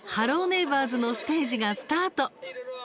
ネイバーズ」のステージがスタート。